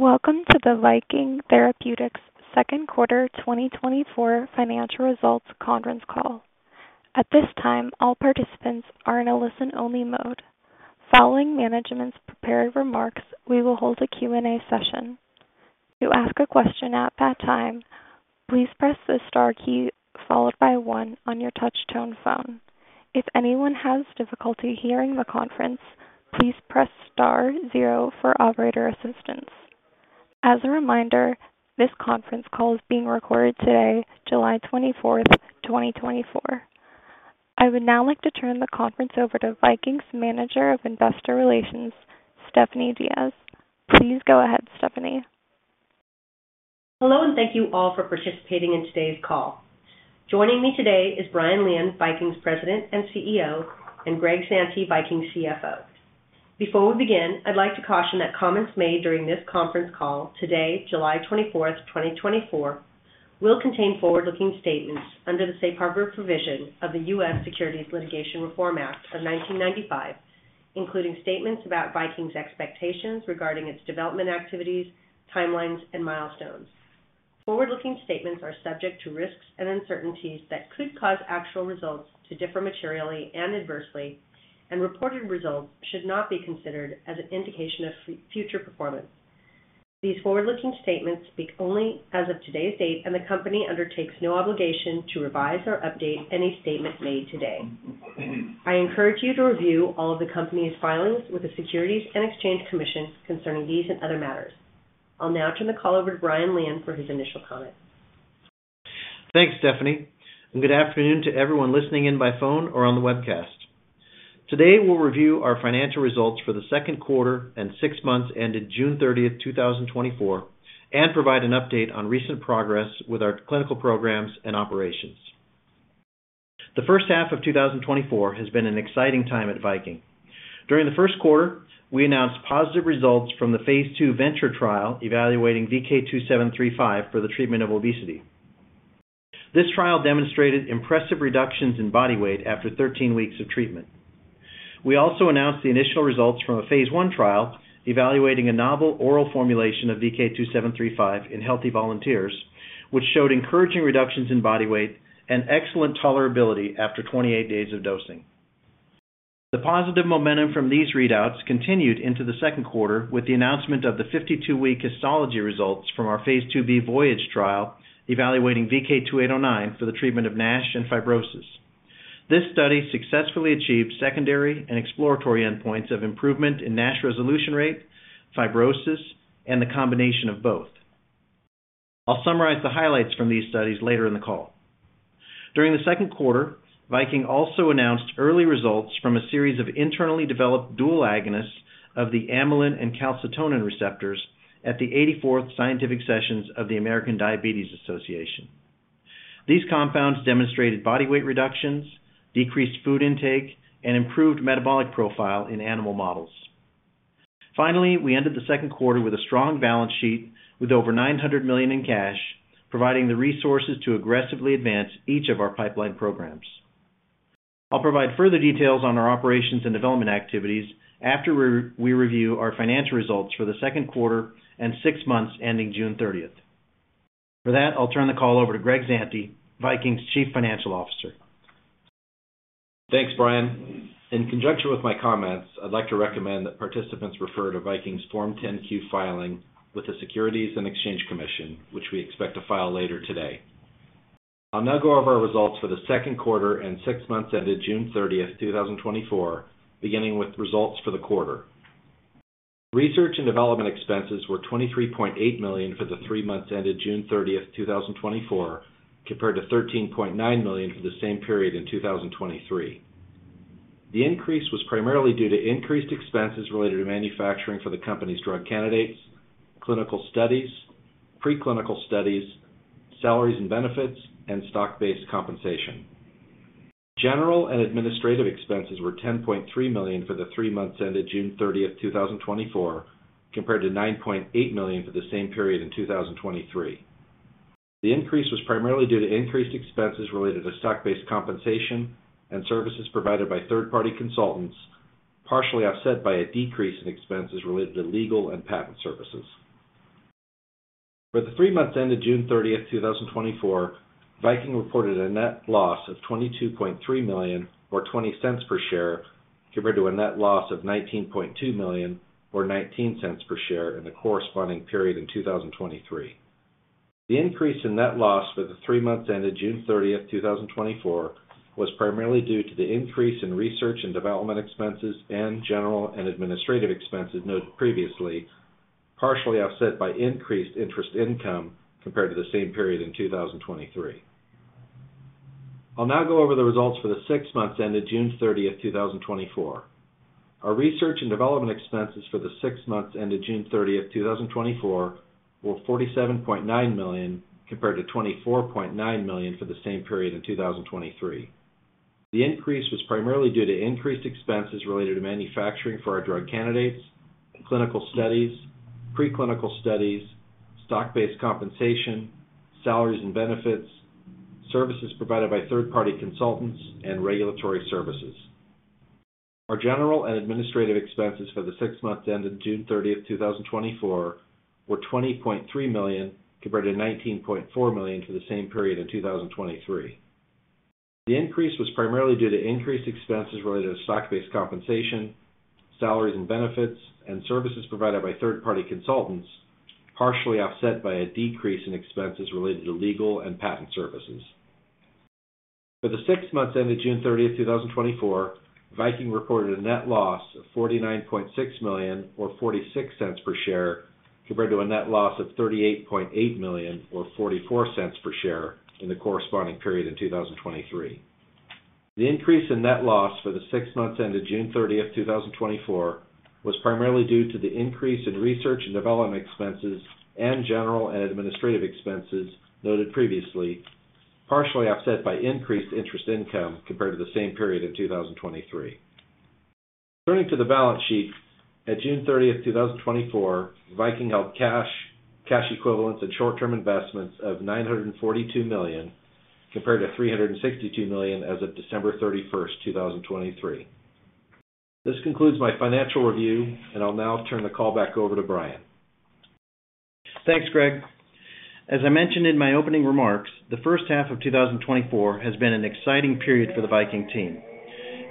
Welcome to the Viking Therapeutics second quarter 2024 financial results conference call. At this time, all participants are in a listen-only mode. Following management's prepared remarks, we will hold a Q&A session. To ask a question at that time, please press the star key followed by one on your touch-tone phone. If anyone has difficulty hearing the conference, please press star zero for operator assistance. As a reminder, this conference call is being recorded today, July 24th, 2024. I would now like to turn the conference over to Viking's Manager of Investor Relations, Stephanie Diaz. Please go ahead, Stephanie. Hello and thank you all for participating in today's call. Joining me today is Brian Lian, Viking's President and CEO, and Greg Zante, Viking's CFO. Before we begin, I'd like to caution that comments made during this conference call today, July 24th, 2024, will contain forward-looking statements under the safe harbor provision of the U.S. Securities Litigation Reform Act of 1995, including statements about Viking's expectations regarding its development activities, timelines, and milestones. Forward-looking statements are subject to risks and uncertainties that could cause actual results to differ materially and adversely, and reported results should not be considered as an indication of future performance. These forward-looking statements speak only as of today's date, and the company undertakes no obligation to revise or update any statement made today. I encourage you to review all of the company's filings with the Securities and Exchange Commission concerning these and other matters. I'll now turn the call over to Brian Lian for his initial comment. Thanks, Stephanie, and good afternoon to everyone listening in by phone or on the webcast. Today, we'll review our financial results for the second quarter and six months ended June 30th, 2024, and provide an update on recent progress with our clinical programs and operations. The first half of 2024 has been an exciting time at Viking. During the first quarter, we announced positive results from the phase II VENTURE trial evaluating VK2735 for the treatment of obesity. This trial demonstrated impressive reductions in body weight after 13 weeks of treatment. We also announced the initial results from a phase I trial evaluating a novel oral formulation of VK2735 in healthy volunteers, which showed encouraging reductions in body weight and excellent tolerability after 28 days of dosing. The positive momentum from these readouts continued into the second quarter with the announcement of the 52-week histology results from our phase IIb VOYAGE trial evaluating VK2809 for the treatment of NASH and fibrosis. This study successfully achieved secondary and exploratory endpoints of improvement in NASH resolution rate, fibrosis, and the combination of both. I'll summarize the highlights from these studies later in the call. During the second quarter, Viking also announced early results from a series of internally developed dual agonists of the amylin and calcitonin receptors at the 84th Scientific Sessions of the American Diabetes Association. These compounds demonstrated body weight reductions, decreased food intake, and improved metabolic profile in animal models. Finally, we ended the second quarter with a strong balance sheet with over $900 million in cash, providing the resources to aggressively advance each of our pipeline programs. I'll provide further details on our operations and development activities after we review our financial results for the second quarter and six months ending June 30th. For that, I'll turn the call over to Greg Zante, Viking's Chief Financial Officer. Thanks, Brian. In conjunction with my comments, I'd like to recommend that participants refer to Viking's Form 10-Q filing with the Securities and Exchange Commission, which we expect to file later today. I'll now go over our results for the second quarter and six months ended June 30th, 2024, beginning with results for the quarter. Research and development expenses were $23.8 million for the three months ended June 30th, 2024, compared to $13.9 million for the same period in 2023. The increase was primarily due to increased expenses related to manufacturing for the company's drug candidates, clinical studies, preclinical studies, salaries and benefits, and stock-based compensation. General and administrative expenses were $10.3 million for the three months ended June 30th, 2024, compared to $9.8 million for the same period in 2023. The increase was primarily due to increased expenses related to stock-based compensation and services provided by third-party consultants, partially offset by a decrease in expenses related to legal and patent services. For the three months ended June 30th, 2024, Viking reported a net loss of $22.3 million or $0.20 per share compared to a net loss of $19.2 million or $0.19 per share in the corresponding period in 2023. The increase in net loss for the three months ended June 30th, 2024, was primarily due to the increase in research and development expenses and general and administrative expenses noted previously, partially offset by increased interest income compared to the same period in 2023. I'll now go over the results for the six months ended June 30th, 2024. Our research and development expenses for the six months ended June 30th, 2024, were $47.9 million compared to $24.9 million for the same period in 2023. The increase was primarily due to increased expenses related to manufacturing for our drug candidates, clinical studies, preclinical studies, stock-based compensation, salaries and benefits, services provided by third-party consultants, and regulatory services. Our general and administrative expenses for the six months ended June 30th, 2024, were $20.3 million compared to $19.4 million for the same period in 2023. The increase was primarily due to increased expenses related to stock-based compensation, salaries and benefits, and services provided by third-party consultants, partially offset by a decrease in expenses related to legal and patent services. For the six months ended June 30th, 2024, Viking reported a net loss of $49.6 million or $0.46 per share compared to a net loss of $38.8 million or $0.44 per share in the corresponding period in 2023. The increase in net loss for the six months ended June 30th, 2024, was primarily due to the increase in research and development expenses and general and administrative expenses noted previously, partially offset by increased interest income compared to the same period in 2023. Turning to the balance sheet, at June 30th, 2024, Viking held cash, cash equivalents, and short-term investments of $942 million compared to $362 million as of December 31st, 2023. This concludes my financial review, and I'll now turn the call back over to Brian. Thanks, Greg. As I mentioned in my opening remarks, the first half of 2024 has been an exciting period for the Viking team.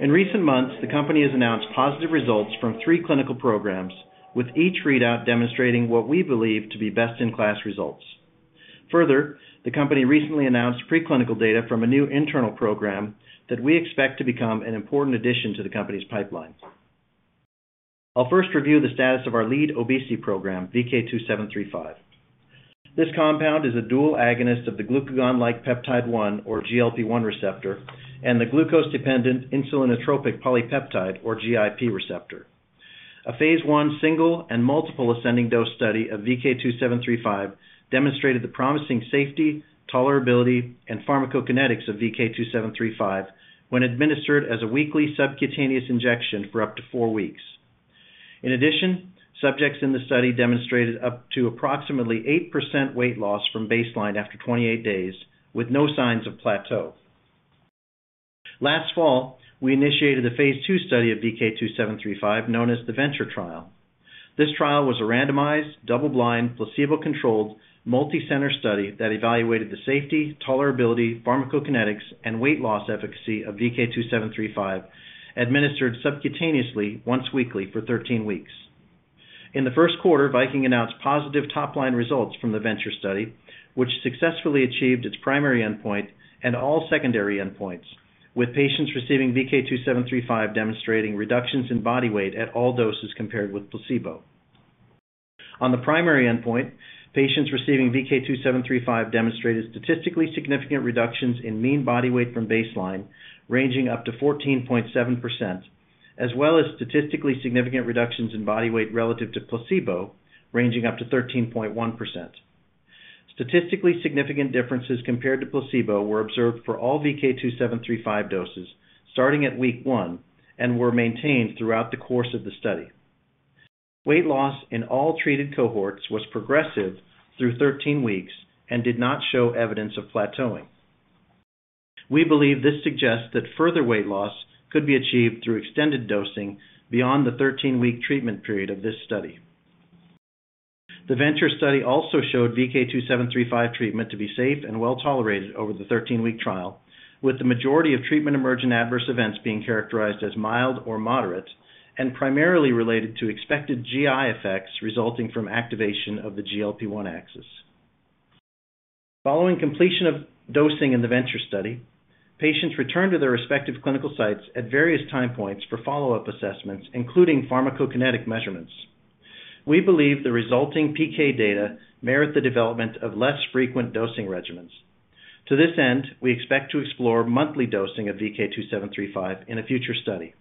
In recent months, the company has announced positive results from three clinical programs, with each readout demonstrating what we believe to be best-in-class results. Further, the company recently announced preclinical data from a new internal program that we expect to become an important addition to the company's pipeline. I'll first review the status of our lead obesity program, VK2735. This compound is a dual agonist of the glucagon-like peptide 1, or GLP-1 receptor, and the glucose-dependent insulinotropic polypeptide, or GIP receptor. A phase I single and multiple ascending dose study of VK2735 demonstrated the promising safety, tolerability, and pharmacokinetics of VK2735 when administered as a weekly subcutaneous injection for up to four weeks. In addition, subjects in the study demonstrated up to approximately 8% weight loss from baseline after 28 days, with no signs of plateau. Last fall, we initiated the phase II study of VK2735, known as the VENTURE trial. This trial was a randomized, double-blind, placebo-controlled, multi-center study that evaluated the safety, tolerability, pharmacokinetics, and weight loss efficacy of VK2735, administered subcutaneously once weekly for 13 weeks. In the first quarter, Viking announced positive top-line results from the VENTURE study, which successfully achieved its primary endpoint and all secondary endpoints, with patients receiving VK2735 demonstrating reductions in body weight at all doses compared with placebo. On the primary endpoint, patients receiving VK2735 demonstrated statistically significant reductions in mean body weight from baseline, ranging up to 14.7%, as well as statistically significant reductions in body weight relative to placebo, ranging up to 13.1%. Statistically significant differences compared to placebo were observed for all VK2735 doses starting at week 1 and were maintained throughout the course of the study. Weight loss in all treated cohorts was progressive through 13 weeks and did not show evidence of plateauing. We believe this suggests that further weight loss could be achieved through extended dosing beyond the 13-week treatment period of this study. The VENTURE study also showed VK2735 treatment to be safe and well-tolerated over the 13-week trial, with the majority of treatment emergent adverse events being characterized as mild or moderate and primarily related to expected GI effects resulting from activation of the GLP-1 axis. Following completion of dosing in the VENTURE study, patients returned to their respective clinical sites at various time points for follow-up assessments, including pharmacokinetic measurements. We believe the resulting PK data merit the development of less frequent dosing regimens. To this end, we expect to explore monthly dosing of VK2735 in a future study.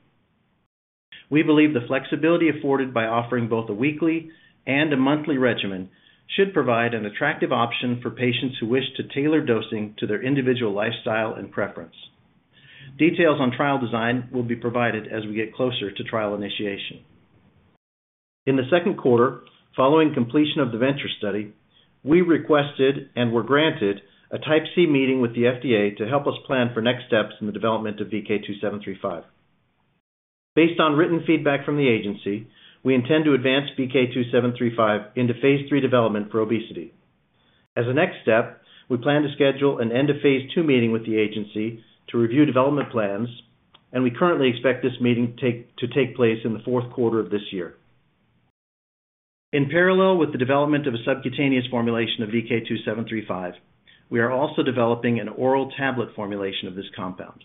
We believe the flexibility afforded by offering both a weekly and a monthly regimen should provide an attractive option for patients who wish to tailor dosing to their individual lifestyle and preference. Details on trial design will be provided as we get closer to trial initiation. In the second quarter, following completion of the VENTURE study, we requested and were granted a Type C meeting with the FDA to help us plan for next steps in the development of VK2735. Based on written feedback from the agency, we intend to advance VK2735 into phase III development for obesity. As a next step, we plan to schedule an end-of-phase II meeting with the agency to review development plans, and we currently expect this meeting to take place in the fourth quarter of this year. In parallel with the development of a subcutaneous formulation of VK2735, we are also developing an oral tablet formulation of this compound.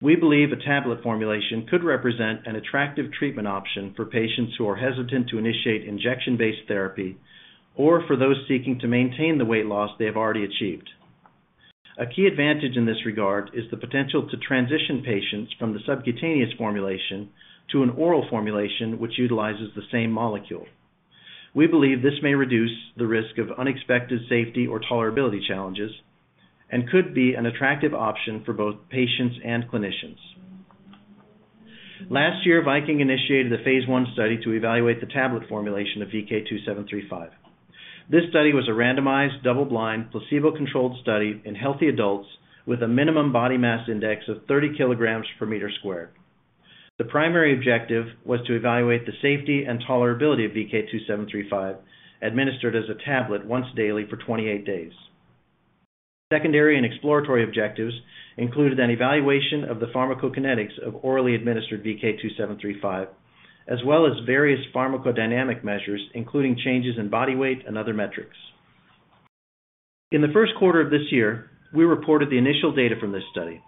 We believe a tablet formulation could represent an attractive treatment option for patients who are hesitant to initiate injection-based therapy or for those seeking to maintain the weight loss they have already achieved. A key advantage in this regard is the potential to transition patients from the subcutaneous formulation to an oral formulation which utilizes the same molecule. We believe this may reduce the risk of unexpected safety or tolerability challenges and could be an attractive option for both patients and clinicians. Last year, Viking initiated the phase I study to evaluate the tablet formulation of VK2735. This study was a randomized, double-blind, placebo-controlled study in healthy adults with a minimum body mass index of 30 kg per sq m. The primary objective was to evaluate the safety and tolerability of VK2735 administered as a tablet once daily for 28 days. Secondary and exploratory objectives included an evaluation of the pharmacokinetics of orally administered VK2735, as well as various pharmacodynamic measures, including changes in body weight and other metrics. In the first quarter of this year, we reported the initial data from this study.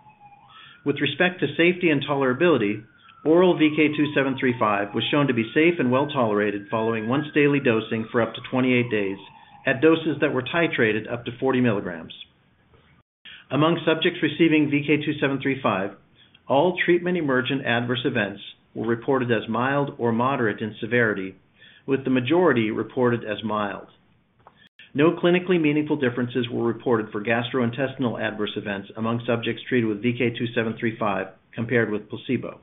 With respect to safety and tolerability, oral VK2735 was shown to be safe and well tolerated following once-daily dosing for up to 28 days at doses that were titrated up to 40 mg. Among subjects receiving VK2735, all treatment emergent adverse events were reported as mild or moderate in severity, with the majority reported as mild. No clinically meaningful differences were reported for gastrointestinal adverse events among subjects treated with VK2735 compared with placebo.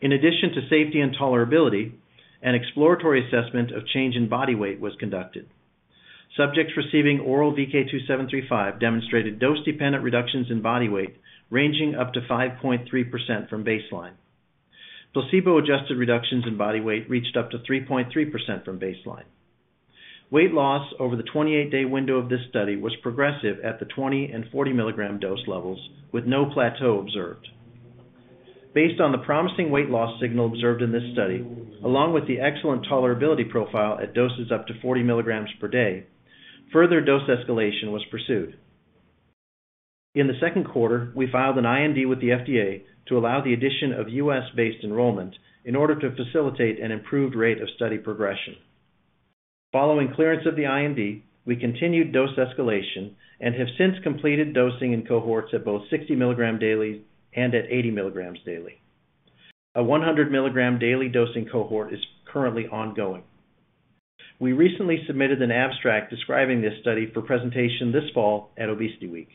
In addition to safety and tolerability, an exploratory assessment of change in body weight was conducted. Subjects receiving oral VK2735 demonstrated dose-dependent reductions in body weight ranging up to 5.3% from baseline. Placebo-adjusted reductions in body weight reached up to 3.3% from baseline. Weight loss over the 28-day window of this study was progressive at the 20-mg and 40-mg dose levels, with no plateau observed. Based on the promising weight loss signal observed in this study, along with the excellent tolerability profile at doses up to 40 mg per day, further dose escalation was pursued. In the second quarter, we filed an IND with the FDA to allow the addition of U.S.-based enrollment in order to facilitate an improved rate of study progression. Following clearance of the IND, we continued dose escalation and have since completed dosing in cohorts at both 60 mg daily and at 80 mg daily. A 100-mg daily dosing cohort is currently ongoing. We recently submitted an abstract describing this study for presentation this fall at ObesityWeek.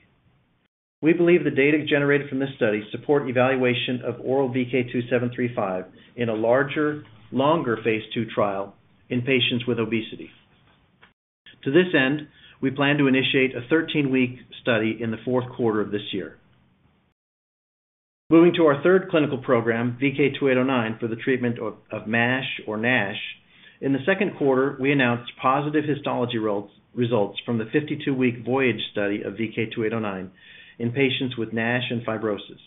We believe the data generated from this study support evaluation of oral VK2735 in a larger, longer phase II trial in patients with obesity. To this end, we plan to initiate a 13-week study in the fourth quarter of this year. Moving to our third clinical program, VK2809, for the treatment of MASH or NASH, in the second quarter, we announced positive histology results from the 52-week VOYAGE study of VK2809 in patients with NASH and fibrosis.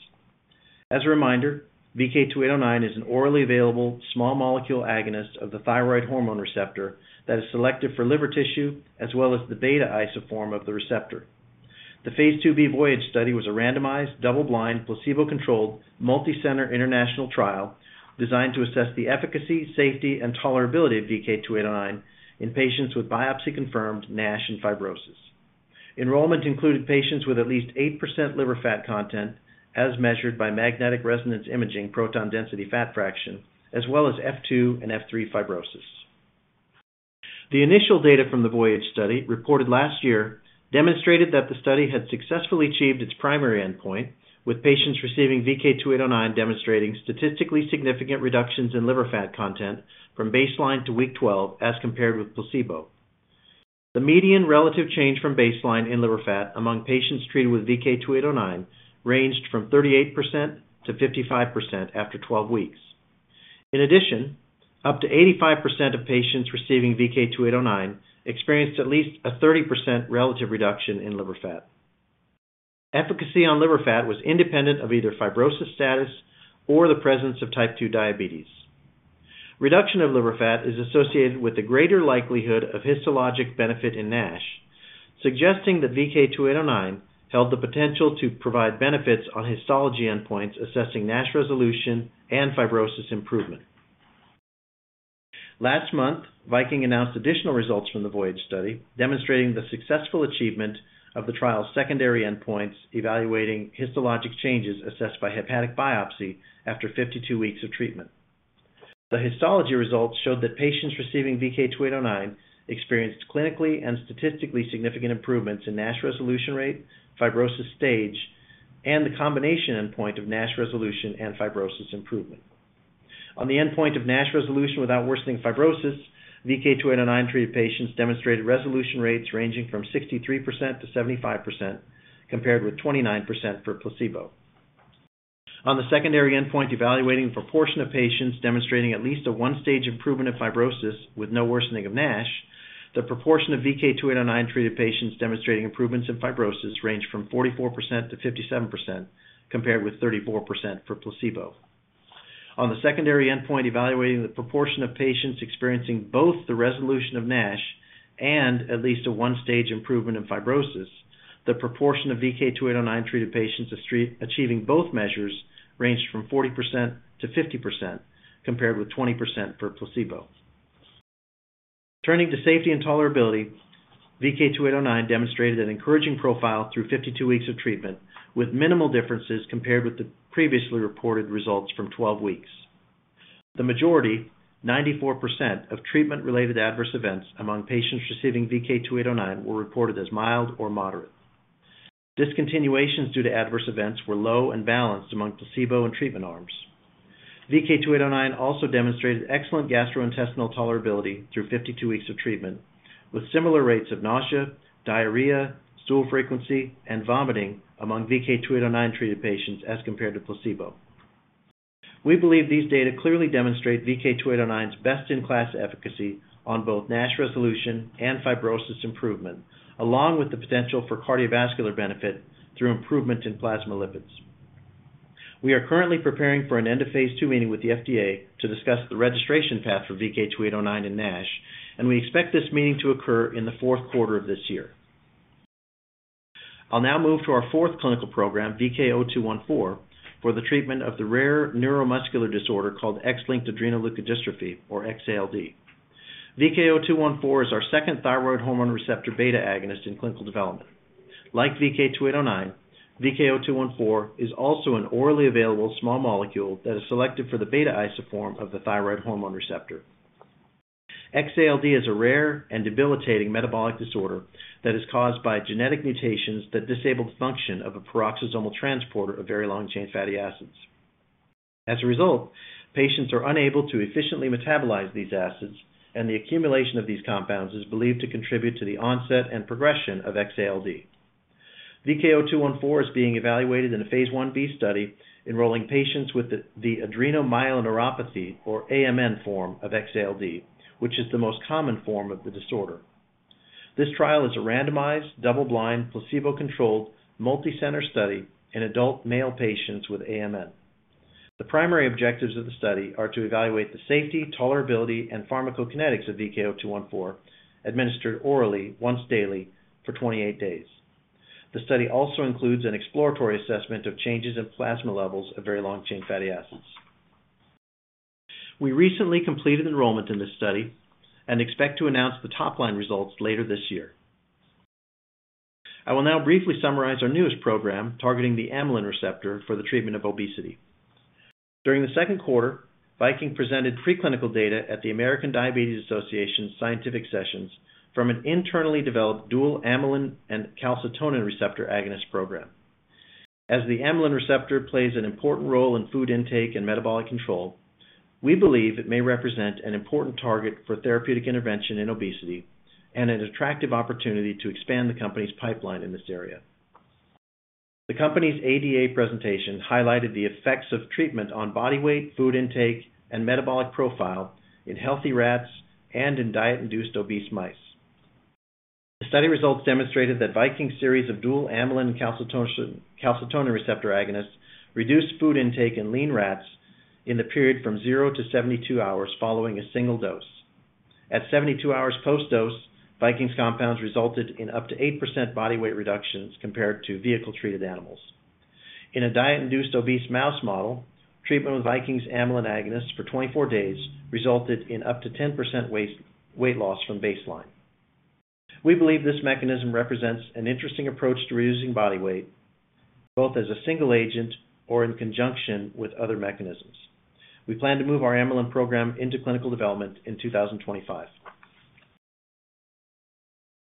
As a reminder, VK2809 is an orally available small molecule agonist of the thyroid hormone receptor that is selected for liver tissue as well as the beta isoform of the receptor. The phase IIb VOYAGE study was a randomized, double-blind, placebo-controlled, multi-center international trial designed to assess the efficacy, safety, and tolerability of VK2809 in patients with biopsy-confirmed NASH and fibrosis. Enrollment included patients with at least 8% liver fat content as measured by magnetic resonance imaging proton density fat fraction, as well as F2 and F3 fibrosis. The initial data from the VOYAGE study reported last year demonstrated that the study had successfully achieved its primary endpoint, with patients receiving VK2809 demonstrating statistically significant reductions in liver fat content from baseline to week 12 as compared with placebo. The median relative change from baseline in liver fat among patients treated with VK2809 ranged from 38%-55% after 12 weeks. In addition, up to 85% of patients receiving VK2809 experienced at least a 30% relative reduction in liver fat. Efficacy on liver fat was independent of either fibrosis status or the presence of type 2 diabetes. Reduction of liver fat is associated with a greater likelihood of histologic benefit in NASH, suggesting that VK2809 held the potential to provide benefits on histology endpoints assessing NASH resolution and fibrosis improvement. Last month, Viking announced additional results from the VOYAGE study demonstrating the successful achievement of the trial's secondary endpoints evaluating histologic changes assessed by hepatic biopsy after 52 weeks of treatment. The histology results showed that patients receiving VK2809 experienced clinically and statistically significant improvements in NASH resolution rate, fibrosis stage, and the combination endpoint of NASH resolution and fibrosis improvement. On the endpoint of NASH resolution without worsening fibrosis, VK2809 treated patients demonstrated resolution rates ranging from 63% to 75% compared with 29% for placebo. On the secondary endpoint evaluating the proportion of patients demonstrating at least a one-stage improvement in fibrosis with no worsening of NASH, the proportion of VK2809 treated patients demonstrating improvements in fibrosis ranged from 44%-57% compared with 34% for placebo. On the secondary endpoint evaluating the proportion of patients experiencing both the resolution of NASH and at least a one-stage improvement in fibrosis, the proportion of VK2809 treated patients achieving both measures ranged from 40%-50% compared with 20% for placebo. Turning to safety and tolerability, VK2809 demonstrated an encouraging profile through 52 weeks of treatment with minimal differences compared with the previously reported results from 12 weeks. The majority, 94%, of treatment-related adverse events among patients receiving VK2809 were reported as mild or moderate. Discontinuations due to adverse events were low and balanced among placebo and treatment arms. VK2809 also demonstrated excellent gastrointestinal tolerability through 52 weeks of treatment, with similar rates of nausea, diarrhea, stool frequency, and vomiting among VK2809-treated patients as compared to placebo. We believe these data clearly demonstrate VK2809's best-in-class efficacy on both NASH resolution and fibrosis improvement, along with the potential for cardiovascular benefit through improvement in plasma lipids. We are currently preparing for an end-of-phase II meeting with the FDA to discuss the registration path for VK2809 and NASH, and we expect this meeting to occur in the fourth quarter of this year. I'll now move to our fourth clinical program, VK0214, for the treatment of the rare neuromuscular disorder called X-linked adrenoleukodystrophy, or XALD. VK0214 is our second thyroid hormone receptor beta agonist in clinical development. Like VK2809, VK0214 is also an orally available small molecule that is selected for the beta isoform of the thyroid hormone receptor. XALD is a rare and debilitating metabolic disorder that is caused by genetic mutations that disable the function of a peroxisomal transporter of very long-chain fatty acids. As a result, patients are unable to efficiently metabolize these acids, and the accumulation of these compounds is believed to contribute to the onset and progression of XALD. VK0214 is being evaluated in a phase Ib study enrolling patients with the adrenomyeloneuropathy, or AMN, form of XALD, which is the most common form of the disorder. This trial is a randomized, double-blind, placebo-controlled, multi-center study in adult male patients with AMN. The primary objectives of the study are to evaluate the safety, tolerability, and pharmacokinetics of VK0214 administered orally once daily for 28 days. The study also includes an exploratory assessment of changes in plasma levels of very long-chain fatty acids. We recently completed enrollment in this study and expect to announce the top-line results later this year. I will now briefly summarize our newest program targeting the amylin receptor for the treatment of obesity. During the second quarter, Viking presented preclinical data at the American Diabetes Association's scientific sessions from an internally developed dual amylin and calcitonin receptor agonist program. As the amylin receptor plays an important role in food intake and metabolic control, we believe it may represent an important target for therapeutic intervention in obesity and an attractive opportunity to expand the company's pipeline in this area. The company's ADA presentation highlighted the effects of treatment on body weight, food intake, and metabolic profile in healthy rats and in diet-induced obese mice. The study results demonstrated that Viking's series of dual amylin and calcitonin receptor agonists reduced food intake in lean rats in the period from 0 to 72 hours following a single dose. At 72 hours post-dose, Viking's compounds resulted in up to 8% body weight reductions compared to vehicle-treated animals. In a diet-induced obese mouse model, treatment with Viking's amylin agonists for 24 days resulted in up to 10% weight loss from baseline. We believe this mechanism represents an interesting approach to reducing body weight, both as a single agent or in conjunction with other mechanisms. We plan to move our amylin program into clinical development in 2025.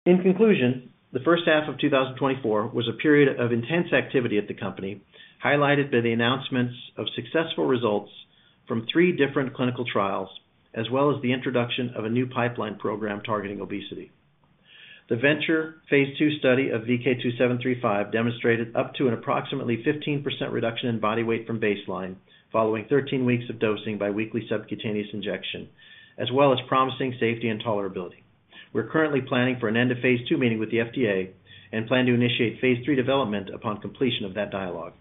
In conclusion, the first half of 2024 was a period of intense activity at the company, highlighted by the announcements of successful results from three different clinical trials, as well as the introduction of a new pipeline program targeting obesity. The VENTURE phase II study of VK2735 demonstrated up to an approximately 15% reduction in body weight from baseline following 13 weeks of dosing by weekly subcutaneous injection, as well as promising safety and tolerability. We're currently planning for an end-of-phase II meeting with the FDA and plan to initiate phase III development upon completion of that dialogue.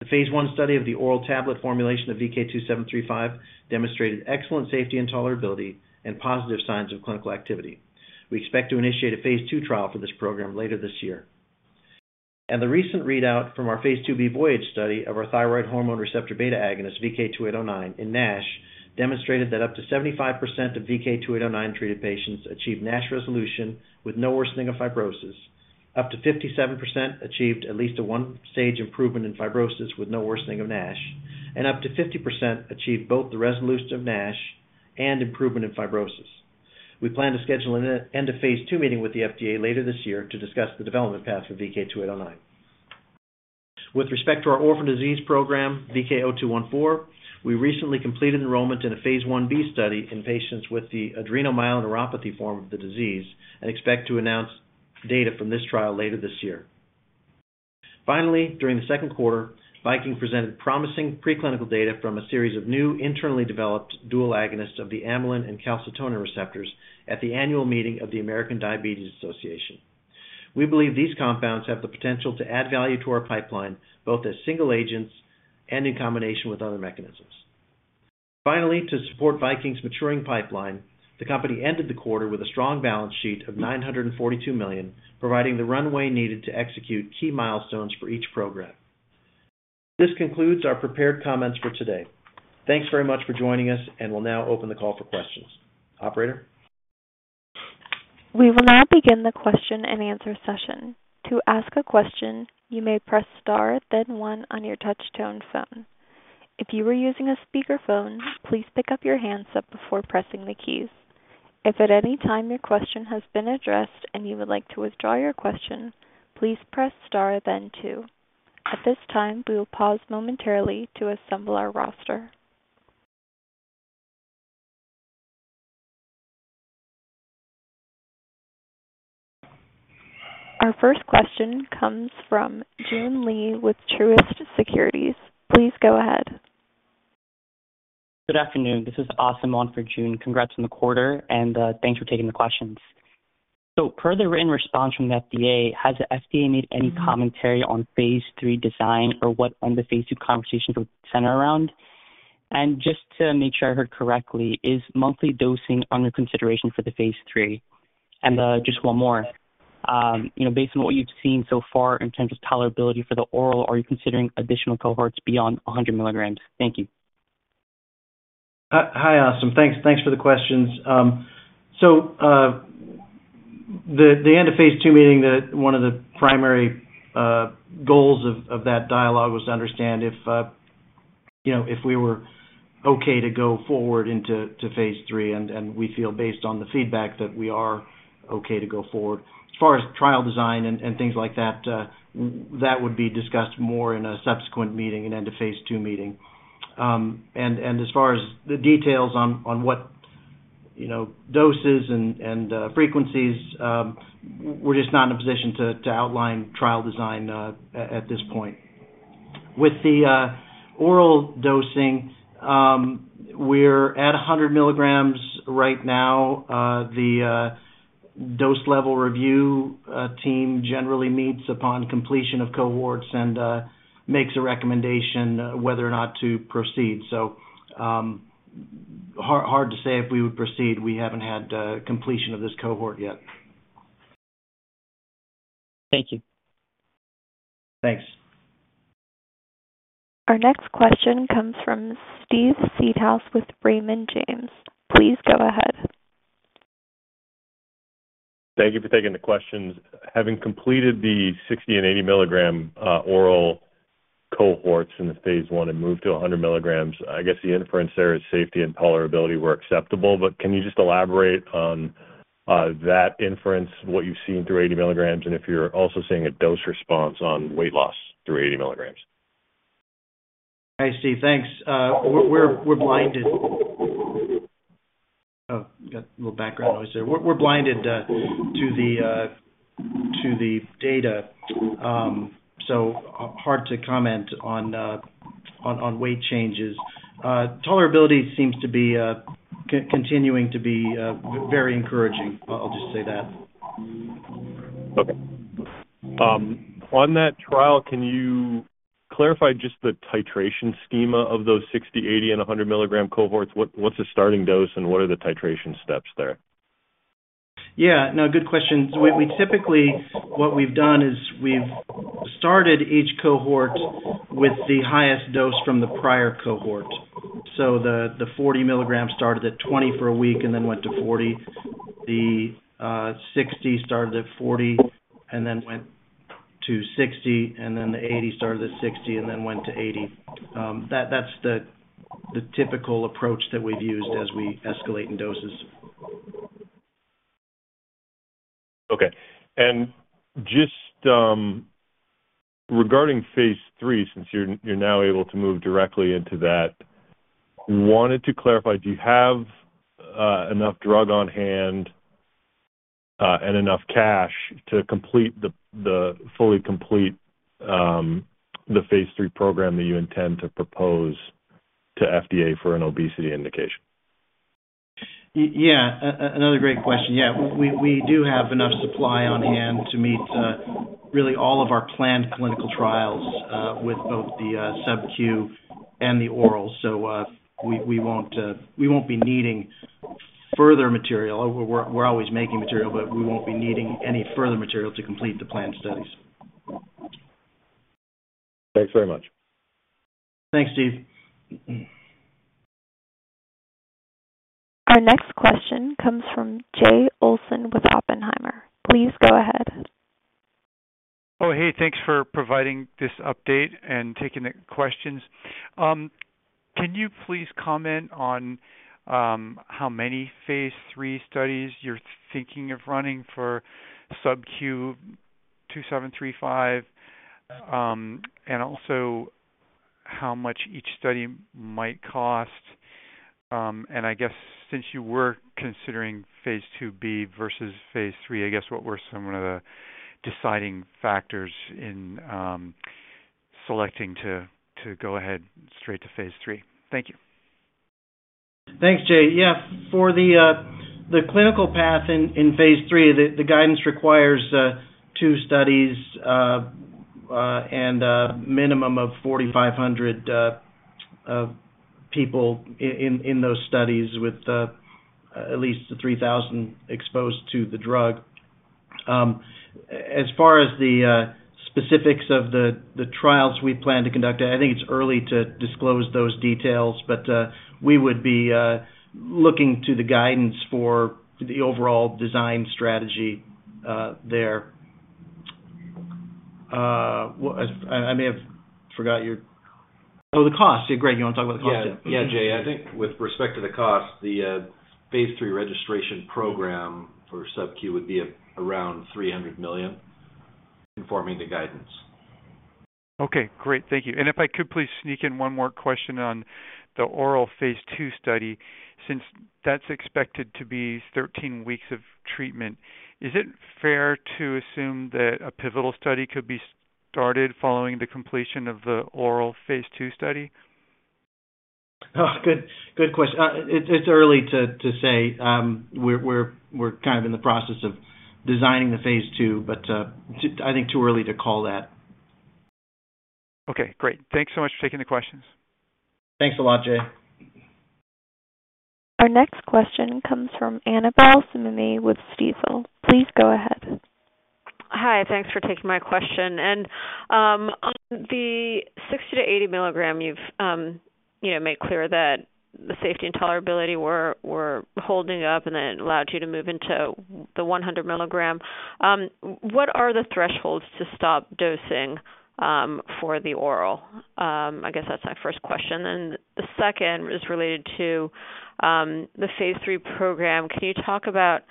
The phase I study of the oral tablet formulation of VK2735 demonstrated excellent safety and tolerability and positive signs of clinical activity. We expect to initiate a phase II trial for this program later this year. The recent readout from our phase IIb VOYAGE study of our thyroid hormone receptor beta agonist VK2809 in NASH demonstrated that up to 75% of VK2809 treated patients achieved NASH resolution with no worsening of fibrosis, up to 57% achieved at least a one-stage improvement in fibrosis with no worsening of NASH, and up to 50% achieved both the resolution of NASH and improvement in fibrosis. We plan to schedule an end-of-phase II meeting with the FDA later this year to discuss the development path for VK2809. With respect to our orphan disease program, VK0214, we recently completed enrollment in a phase Ib study in patients with the adrenomyeloneuropathy form of the disease and expect to announce data from this trial later this year. Finally, during the second quarter, Viking presented promising preclinical data from a series of new internally developed dual agonists of the amylin and calcitonin receptors at the annual meeting of the American Diabetes Association. We believe these compounds have the potential to add value to our pipeline both as single agents and in combination with other mechanisms. Finally, to support Viking's maturing pipeline, the company ended the quarter with a strong balance sheet of $942 million, providing the runway needed to execute key milestones for each program. This concludes our prepared comments for today. Thanks very much for joining us, and we'll now open the call for questions. Operator? We will now begin the question and answer session. To ask a question, you may press star, then one on your touch-tone phone. If you are using a speakerphone, please pick up the handset before pressing the keys. If at any time your question has been addressed and you would like to withdraw your question, please press star, then two. At this time, we will pause momentarily to assemble our roster. Our first question comes from Joon Lee with Truist Securities. Please go ahead. Good afternoon. This is Asim for Joon. Congrats on the quarter, and thanks for taking the questions. So per the written response from the FDA, has the FDA made any commentary on phase III design or what end-of-phase II conversations would center around? And just to make sure I heard correctly, is monthly dosing under consideration for the phase III? And just one more. Based on what you've seen so far in terms of tolerability for the oral, are you considering additional cohorts beyond 100 mg? Thank you. Hi, Asim. Thanks for the questions. So the end-of-phase II meeting, one of the primary goals of that dialogue was to understand if we were okay to go forward into phase III, and we feel, based on the feedback, that we are okay to go forward. As far as trial design and things like that, that would be discussed more in a subsequent meeting, an end-of-phase II meeting. And as far as the details on what doses and frequencies, we're just not in a position to outline trial design at this point. With the oral dosing, we're at 100 mg right now. The dose-level review team generally meets upon completion of cohorts and makes a recommendation whether or not to proceed. So hard to say if we would proceed. We haven't had completion of this cohort yet. Thank you. Thanks. Our next question comes from Steve Seedhouse with Raymond James. Please go ahead. Thank you for taking the questions. Having completed the 60 mg and 80 mg oral cohorts in the phase I and moved to 100 mg, I guess the inference there is safety and tolerability were acceptable. But can you just elaborate on that inference, what you've seen through 80 mg, and if you're also seeing a dose-response on weight loss through 80 mg? I see. Thanks. We're blinded. Oh, got a little background noise there. We're blinded to the data, so hard to comment on weight changes. Tolerability seems to be continuing to be very encouraging. I'll just say that. Okay. On that trial, can you clarify just the titration schema of those 60 mg, 80 mg, and 100 mg cohorts? What's the starting dose, and what are the titration steps there? Yeah. No, good question. So typically, what we've done is we've started each cohort with the highest dose from the prior cohort. So the 40 mg started at 20 mg for a week and then went to 40 mg. The 60 mg started at 40 mg and then went to 60 mg, and then the 80 mg started at 60 mg and then went to 80 mg. That's the typical approach that we've used as we escalate in doses. Okay. And just regarding phase III, since you're now able to move directly into that, wanted to clarify, do you have enough drug on hand and enough cash to complete the fully complete phase III program that you intend to propose to FDA for an obesity indication? Yeah. Another great question. Yeah. We do have enough supply on hand to meet really all of our planned clinical trials with both the subcu and the oral. So we won't be needing further material. We're always making material, but we won't be needing any further material to complete the planned studies. Thanks very much. Thanks, Steve. Our next question comes from Jay Olson with Oppenheimer. Please go ahead. Oh, hey. Thanks for providing this update and taking the questions. Can you please comment on how many phase III studies you're thinking of running for subcu 2735 and also how much each study might cost? And I guess since you were considering phase IIb versus phase III, I guess what were some of the deciding factors in selecting to go ahead straight to phase III? Thank you. Thanks, Jay. Yeah. For the clinical path in phase III, the guidance requires two studies and a minimum of 4,500 people in those studies with at least 3,000 exposed to the drug. As far as the specifics of the trials we plan to conduct, I think it's early to disclose those details, but we would be looking to the guidance for the overall design strategy there. I may have forgot your, oh, the cost. Yeah, great. You want to talk about the cost, yeah? Yeah. Yeah, Jay. I think with respect to the cost, the phase III registration program for subcu would be around $300 million informing the guidance. Okay. Great. Thank you. And if I could, please sneak in one more question on the oral phase II study. Since that's expected to be 13 weeks of treatment, is it fair to assume that a pivotal study could be started following the completion of the oral phase II study? Good question. It's early to say. We're kind of in the process of designing the phase II, but I think too early to call that. Okay. Great. Thanks so much for taking the questions. Thanks a lot, Jay. Our next question comes from Annabel Samimy with Stifel. Please go ahead. Hi. Thanks for taking my question. And on the 60 mg-80 mg, you've made clear that the safety and tolerability were holding up, and then it allowed you to move into the 100 mg. What are the thresholds to stop dosing for the oral? I guess that's my first question. And the second is related to the phase III program. Can you talk about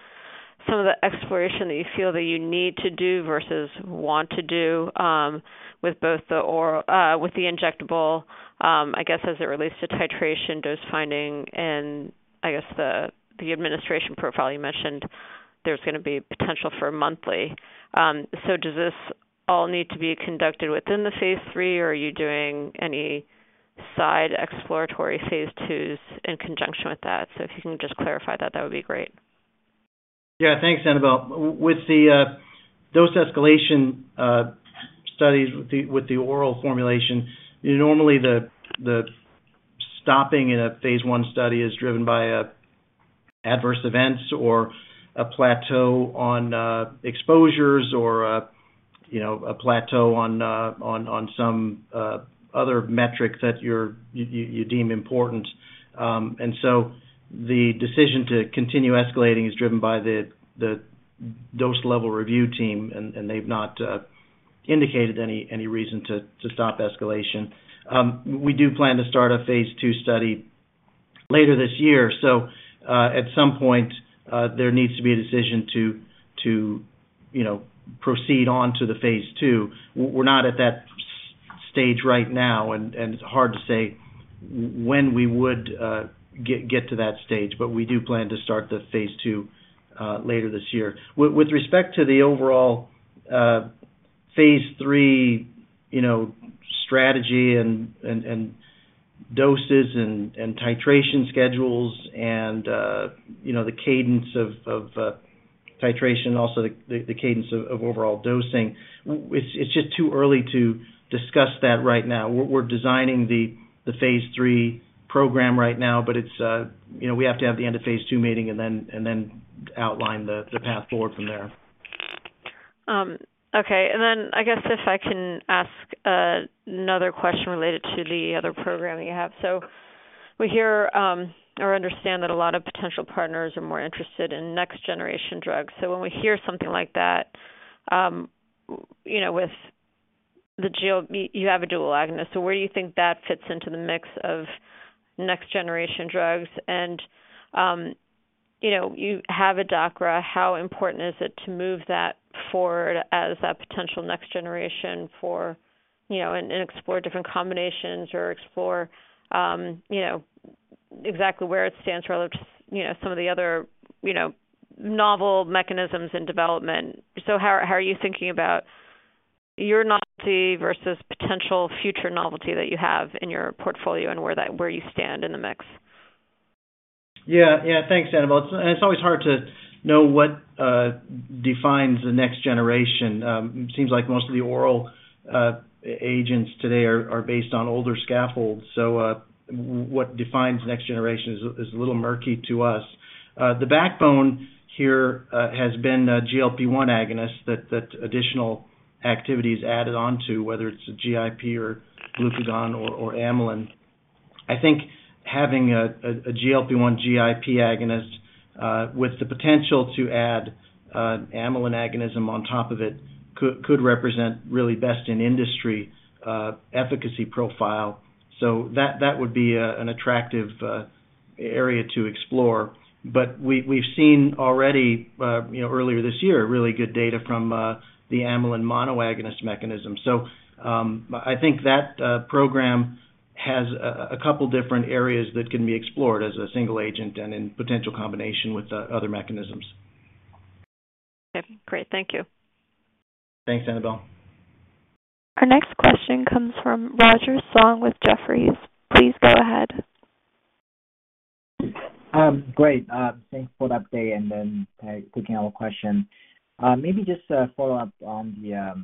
some of the exploration that you feel that you need to do versus want to do with both the injectable, I guess, as it relates to titration, dose finding, and I guess the administration profile? You mentioned there's going to be potential for monthly. So does this all need to be conducted within the phase III, or are you doing any side exploratory phase IIs in conjunction with that? So if you can just clarify that, that would be great. Yeah. Thanks, Annabel. With the dose escalation studies with the oral formulation, normally the stopping in a phase I study is driven by adverse events or a plateau on exposures or a plateau on some other metric that you deem important. And so the decision to continue escalating is driven by the dose-level review team, and they've not indicated any reason to stop escalation. We do plan to start a phase II study later this year. So at some point, there needs to be a decision to proceed on to the phase II. We're not at that stage right now, and it's hard to say when we would get to that stage, but we do plan to start the phase II later this year. With respect to the overall phase III strategy and doses and titration schedules and the cadence of titration, also the cadence of overall dosing, it's just too early to discuss that right now. We're designing the phase III program right now, but we have to have the end-of-phase II meeting and then outline the path forward from there. Okay. I guess if I can ask another question related to the other program you have. We hear or understand that a lot of potential partners are more interested in next-generation drugs. When we hear something like that with the—you have a dual agonist. Where do you think that fits into the mix of next-generation drugs? And you have a DACRA. How important is it to move that forward as a potential next generation for and explore different combinations or explore exactly where it stands relative to some of the other novel mechanisms in development? So how are you thinking about your novelty versus potential future novelty that you have in your portfolio and where you stand in the mix? Yeah. Yeah. Thanks, Annabel. It's always hard to know what defines the next generation. It seems like most of the oral agents today are based on older scaffolds. So what defines next generation is a little murky to us. The backbone here has been GLP-1 agonists that additional activity is added onto, whether it's a GIP or glucagon or amylin. I think having a GLP-1 GIP agonist with the potential to add amylin agonism on top of it could represent really best in industry efficacy profile. So that would be an attractive area to explore. But we've seen already earlier this year really good data from the amylin monoagonist mechanism. So I think that program has a couple of different areas that can be explored as a single agent and in potential combination with other mechanisms. Okay. Great. Thank you. Thanks, Annabel. Our next question comes from Roger Song with Jefferies. Please go ahead. Great. Thanks for the update and then taking our question. Maybe just a follow-up on the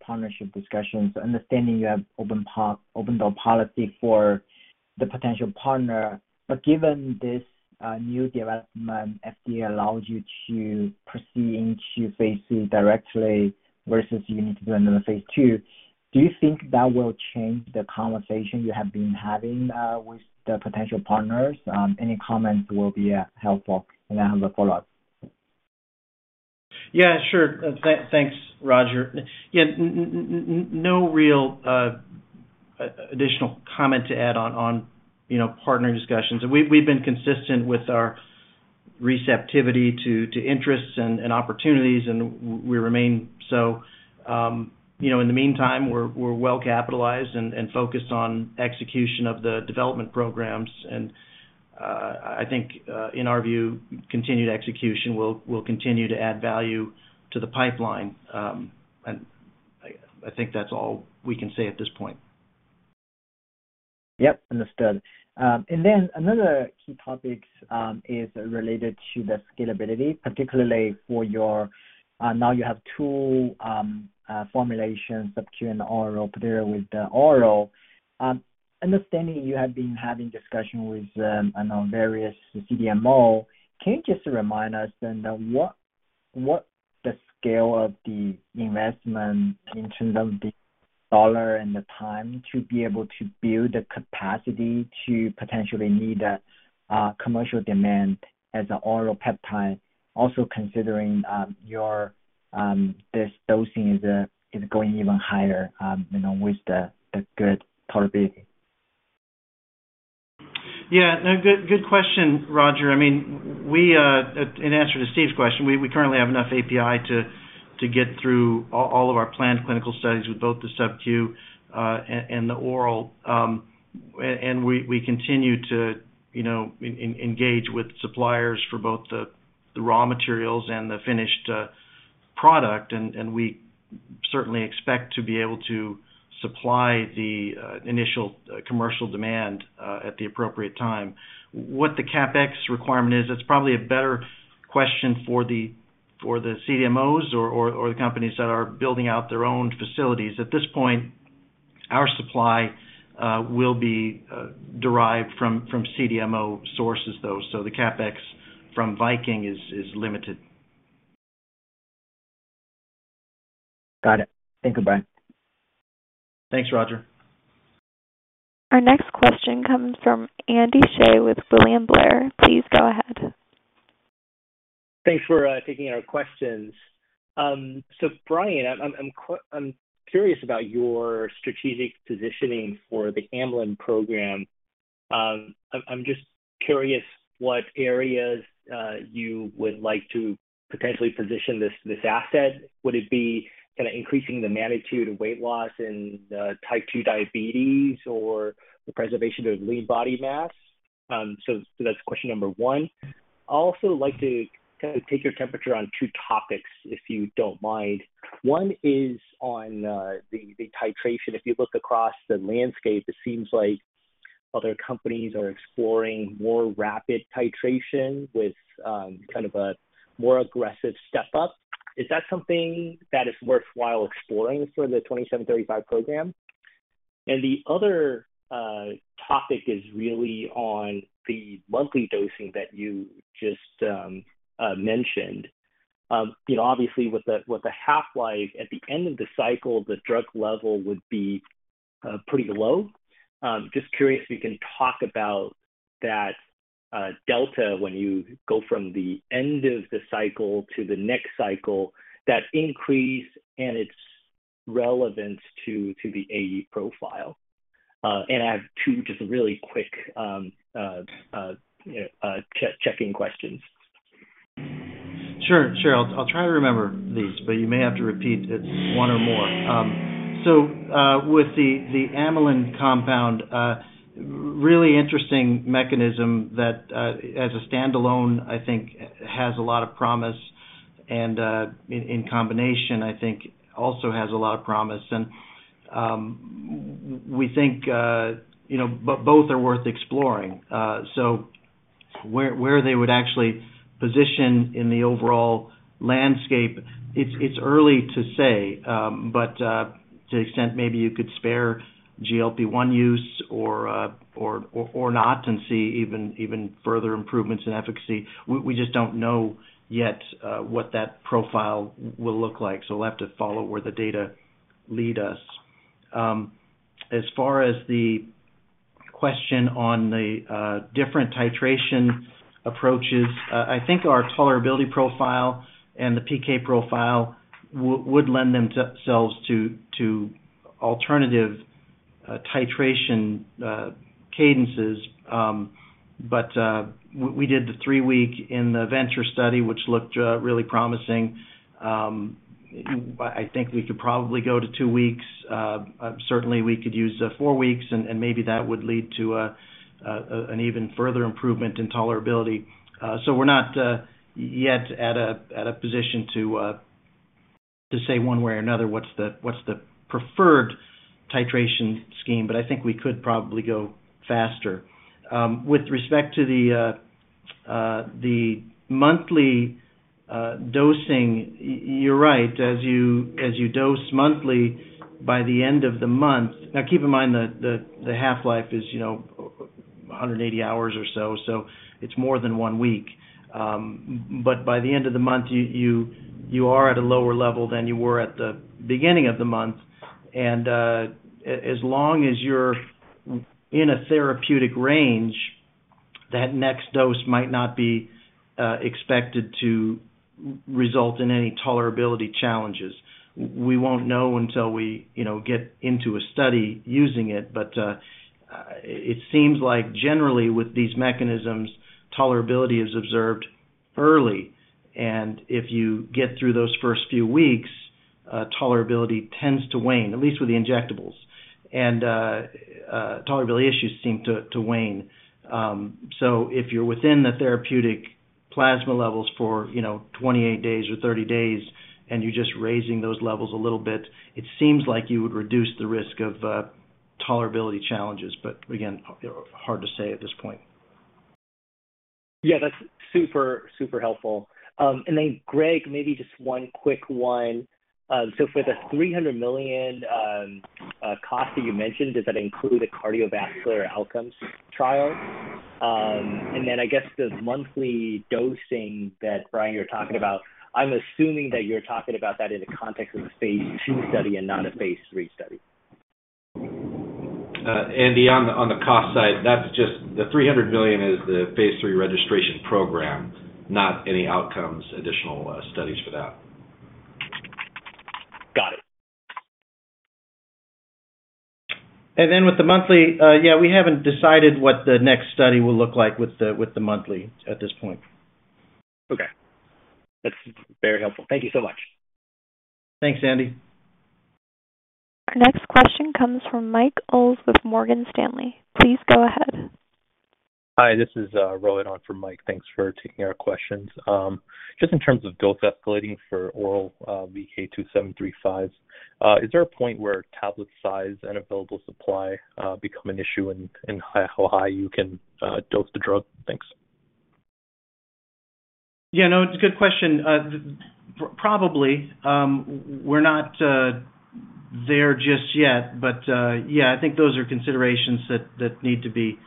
partnership discussions. Understanding you have open-door policy for the potential partner, but given this new development, FDA allows you to proceed into phase III directly versus you need to do another phase II. Do you think that will change the conversation you have been having with the potential partners? Any comments will be helpful. And I have a follow-up. Yeah. Sure. Thanks, Roger. Yeah. No real additional comment to add on partner discussions. We've been consistent with our receptivity to interests and opportunities, and we remain so. In the meantime, we're well capitalized and focused on execution of the development programs. And I think, in our view, continued execution will continue to add value to the pipeline. And I think that's all we can say at this point. Yep. Understood. And then another key topic is related to the scalability, particularly for your-now you have two formulations, subcu and oral, particularly with the oral. Understanding you have been having discussion with various CDMOs, can you just remind us then what the scale of the investment in terms of dollars and the time to be able to build the capacity to potentially meet a commercial demand as an oral peptide, also considering this dosing is going even higher with the good tolerability? Yeah. No, good question, Roger. I mean, in answer to Steve's question, we currently have enough API to get through all of our planned clinical studies with both the subcu and the oral. And we continue to engage with suppliers for both the raw materials and the finished product. And we certainly expect to be able to supply the initial commercial demand at the appropriate time. What the CapEx requirement is, it's probably a better question for the CDMOs or the companies that are building out their own facilities. At this point, our supply will be derived from CDMO sources, though. So the CapEx from Viking is limited. Got it. Thank you, Brian. Thanks, Roger. Our next question comes from Andy Hsieh with William Blair. Please go ahead. Thanks for taking our questions. So, Brian, I'm curious about your strategic positioning for the amylin program. I'm just curious what areas you would like to potentially position this asset. Would it be kind of increasing the magnitude of weight loss in type 2 diabetes or the preservation of lean body mass? So that's question number one. I'd also like to kind of take your temperature on two topics, if you don't mind. One is on the titration. If you look across the landscape, it seems like other companies are exploring more rapid titration with kind of a more aggressive step-up. Is that something that is worthwhile exploring for the 2735 program? And the other topic is really on the monthly dosing that you just mentioned. Obviously, with the half-life, at the end of the cycle, the drug level would be pretty low. Just curious if you can talk about that delta when you go from the end of the cycle to the next cycle, that increase, and its relevance to the AE profile. And I have two just really quick checking questions. Sure. Sure. I'll try to remember these, but you may have to repeat one or more. So with the amylin compound, really interesting mechanism that, as a standalone, I think has a lot of promise. And in combination, I think also has a lot of promise. And we think both are worth exploring. So where they would actually position in the overall landscape, it's early to say. But to the extent maybe you could spare GLP-1 use or not and see even further improvements in efficacy, we just don't know yet what that profile will look like. So we'll have to follow where the data lead us. As far as the question on the different titration approaches, I think our tolerability profile and the PK profile would lend themselves to alternative titration cadences. But we did the 3-week in the VENTURE study, which looked really promising. I think we could probably go to 2 weeks. Certainly, we could use 4 weeks, and maybe that would lead to an even further improvement in tolerability. So we're not yet at a position to say one way or another what's the preferred titration scheme, but I think we could probably go faster. With respect to the monthly dosing, you're right. As you dose monthly, by the end of the month, now, keep in mind the half-life is 180 hours or so, so it's more than 1 week, but by the end of the month, you are at a lower level than you were at the beginning of the month. As long as you're in a therapeutic range, that next dose might not be expected to result in any tolerability challenges. We won't know until we get into a study using it. It seems like, generally, with these mechanisms, tolerability is observed early. If you get through those first few weeks, tolerability tends to wane, at least with the injectables. Tolerability issues seem to wane. If you're within the therapeutic plasma levels for 28 days or 30 days and you're just raising those levels a little bit, it seems like you would reduce the risk of tolerability challenges. Again, hard to say at this point. Yeah. That's super, super helpful. Then, Greg, maybe just one quick one. For the $300 million cost that you mentioned, does that include a cardiovascular outcomes trial? And then I guess the monthly dosing that Brian you're talking about, I'm assuming that you're talking about that in the context of a phase II study and not a phase III study. Andy, on the cost side, that's just the $300 million is the phase III registration program, not any outcomes, additional studies for that. Got it. And then with the monthly, yeah, we haven't decided what the next study will look like with the monthly at this point. Okay. That's very helpful. Thank you so much. Thanks, Andy. Our next question comes from Mike Ulz with Morgan Stanley. Please go ahead. Hi. This is Rohit on for Mike. Thanks for taking our questions. Just in terms of dose escalating for oral VK2735s, is there a point where tablet size and available supply become an issue and how high you can dose the drug? Thanks. Yeah. No, it's a good question. Probably. We're not there just yet. But yeah, I think those are considerations that need to be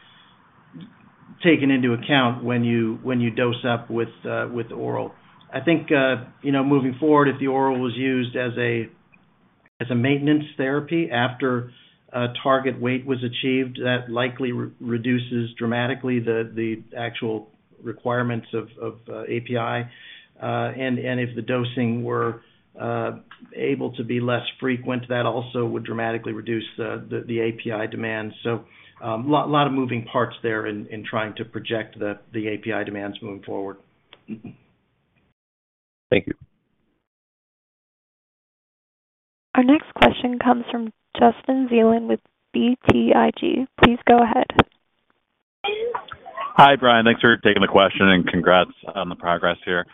taken into account when you dose up with oral. I think moving forward, if the oral was used as a maintenance therapy after target weight was achieved, that likely reduces dramatically the actual requirements of API. And if the dosing were able to be less frequent, that also would dramatically reduce the API demand. So a lot of moving parts there in trying to project the API demands moving forward. Thank you. Our next question comes from Justin Zelin with BTIG. Please go ahead. Hi, Brian. Thanks for taking the question and congrats on the progress here.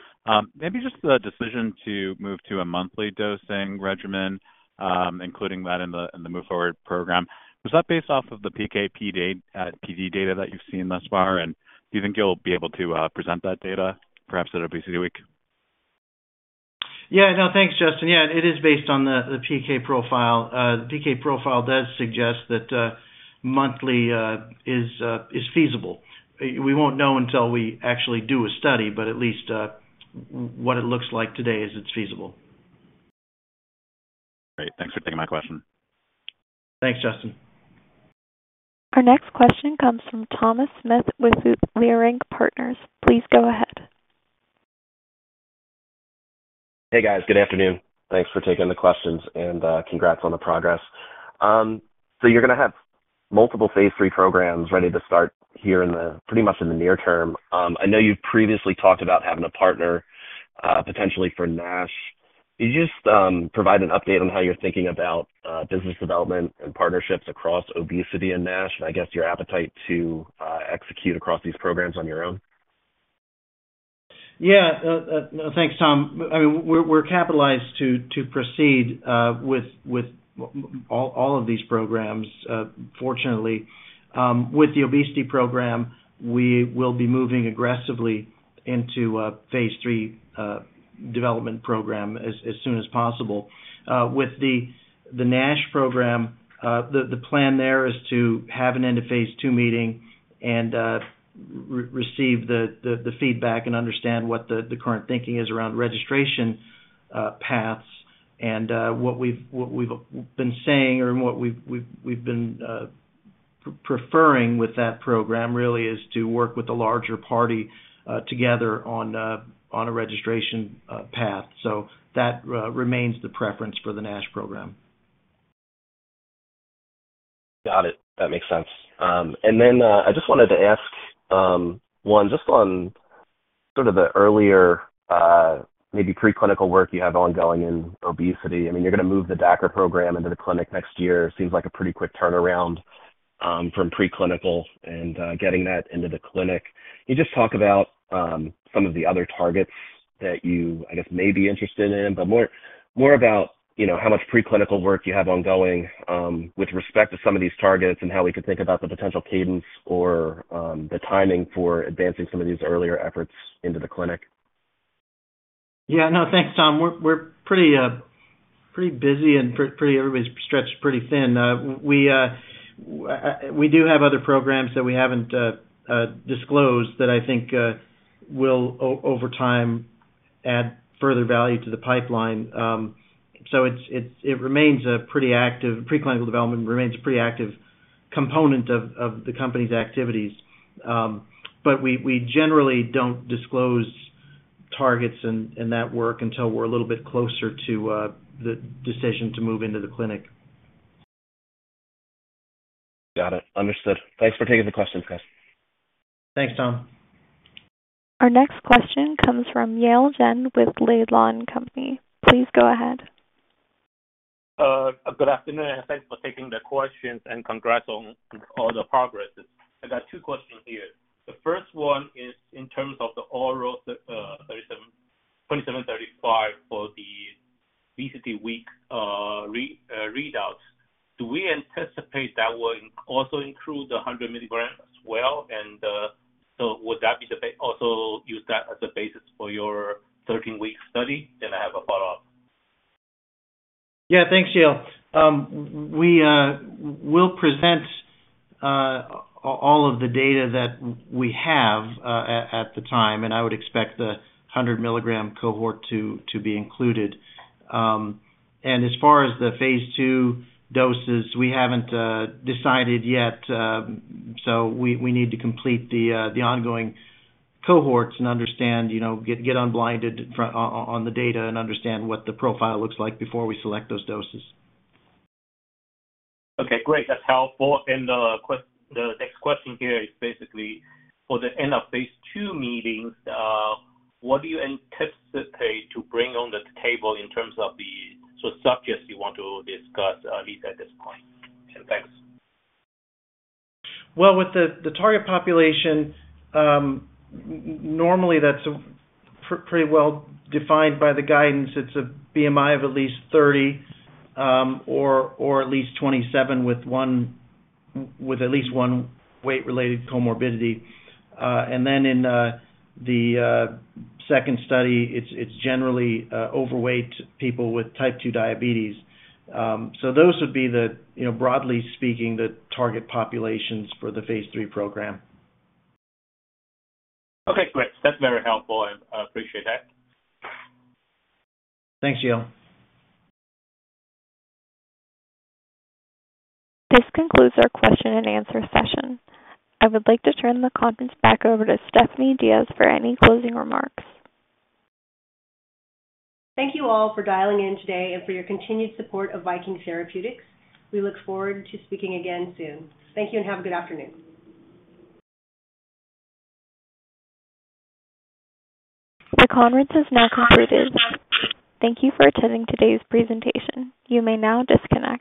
Maybe just the decision to move to a monthly dosing regimen, including that in the move-forward program, was that based off of the PK/PD data that you've seen thus far? And do you think you'll be able to present that data, perhaps at ObesityWeek? Yeah. No, thanks, Justin. Yeah. It is based on the PK profile. The PK profile does suggest that monthly is feasible. We won't know until we actually do a study, but at least what it looks like today is it's feasible. Great. Thanks for taking my question. Thanks, Justin. Our next question comes from Thomas Smith with Leerink Partners. Please go ahead. Hey, guys. Good afternoon. Thanks for taking the questions and congrats on the progress. So you're going to have multiple phase III programs ready to start here pretty much in the near term. I know you've previously talked about having a partner potentially for NASH. Could you just provide an update on how you're thinking about business development and partnerships across obesity and NASH, and I guess your appetite to execute across these programs on your own? Yeah. Thanks, Tom. I mean, we're capitalized to proceed with all of these programs, fortunately. With the obesity program, we will be moving aggressively into a phase III development program as soon as possible. With the NASH program, the plan there is to have an end-of-phase II meeting and receive the feedback and understand what the current thinking is around registration paths. What we've been saying or what we've been preferring with that program really is to work with a larger party together on a registration path. That remains the preference for the NASH program. Got it. That makes sense. And then I just wanted to ask one, just on sort of the earlier maybe preclinical work you have ongoing in obesity. I mean, you're going to move the DACRA program into the clinic next year. It seems like a pretty quick turnaround from preclinical and getting that into the clinic. Can you just talk about some of the other targets that you, I guess, may be interested in, but more about how much preclinical work you have ongoing with respect to some of these targets and how we could think about the potential cadence or the timing for advancing some of these earlier efforts into the clinic? Yeah. No, thanks, Tom. We're pretty busy and everybody's stretched pretty thin. We do have other programs that we haven't disclosed that I think will, over time, add further value to the pipeline. So it remains a pretty active preclinical development remains a pretty active component of the company's activities. But we generally don't disclose targets and that work until we're a little bit closer to the decision to move into the clinic. Got it. Understood. Thanks for taking the questions, guys. Thanks, Tom. Our next question comes from Yale Jen with Laidlaw & Company. Please go ahead. Good afternoon. Thanks for taking the questions and congrats on all the progress. I got two questions here. The first one is in terms of the oral 2735 for the the 13-week readouts, do we anticipate that will also include the 100 mg as well? And so would that be the also use that as a basis for your 13-week study? Then I have a follow-up. Yeah. Thanks, Yale. We will present all of the data that we have at the time, and I would expect the 100-mg cohort to be included. As far as the phase II doses, we haven't decided yet. We need to complete the ongoing cohorts and understand, get unblinded on the data, and understand what the profile looks like before we select those doses. Okay. Great. That's helpful. The next question here is basically for the end-of-phase II meetings, what do you anticipate to bring on the table in terms of the subjects you want to discuss at least at this point? Thanks. Well, with the target population, normally that's pretty well defined by the guidance. It's a BMI of at least 30 or at least 27 with at least one weight-related comorbidity. Then in the second study, it's generally overweight people with type 2 diabetes. So those would be, broadly speaking, the target populations for the phase III program. Okay. Great. That's very helpful. I appreciate that. Thanks, Yale. This concludes our question-and-answer session. I would like to turn the conference back over to Stephanie Diaz for any closing remarks. Thank you all for dialing in today and for your continued support of Viking Therapeutics. We look forward to speaking again soon. Thank you and have a good afternoon. The conference is now concluded. Thank you for attending today's presentation. You may now disconnect.